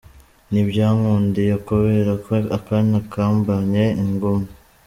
Ntibyankundiye kubera ko akanya kambanye ingume.